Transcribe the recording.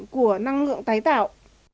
của năng lượng tài tạo